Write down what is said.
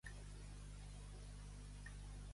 A qui no coneix pecat, no confesses el teu pecat.